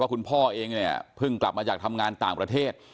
คุณพ่อเองเนี่ยเพิ่งกลับมาจากทำงานต่างประเทศ